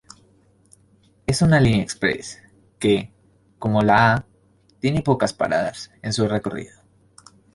Es una línea express que, como la A, tiene pocas paradas en su recorrido.